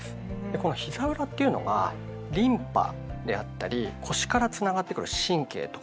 このひざ裏っていうのがリンパであったり腰からつながってくる神経とかね